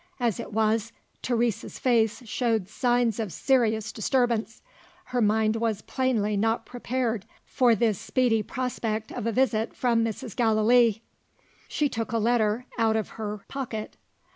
As it was, Teresa's face showed signs of serious disturbance: her mind was plainly not prepared for this speedy prospect of a visit from Mrs. Gallilee. She took a letter out of her pocket.